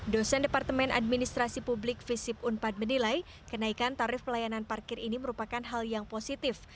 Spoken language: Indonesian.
dosen departemen administrasi publik visip unpad menilai kenaikan tarif pelayanan parkir ini merupakan hal yang positif